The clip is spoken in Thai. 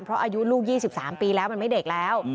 เพราะอายุลูก๒๓ปีแล้วมันไม่เด็กแล้ว